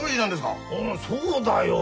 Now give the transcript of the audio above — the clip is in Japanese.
うんそうだよ。